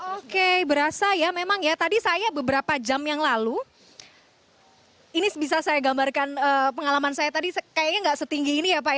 oke berasa ya memang ya tadi saya beberapa jam yang lalu ini bisa saya gambarkan pengalaman saya tadi kayaknya nggak setinggi ini ya pak ya